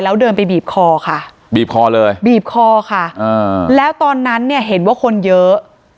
แล้วเดินไปบีบคอค่ะบีบคอเลยบีบคอค่ะอ่าแล้วตอนนั้นเนี่ยเห็นว่าคนเยอะ